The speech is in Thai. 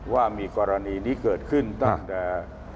ว่ามีกรณีนี้เกิดขึ้นตั้งแต่